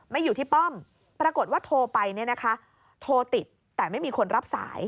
ไม่อยู่ที่ป้อมปรากฏว่าโทรไปเนี่ยนะคะโทรติดแต่ไม่มีคนรับสาย